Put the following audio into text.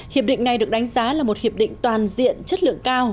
hiệp định này được đánh giá là một hiệp định toàn diện chất lượng cao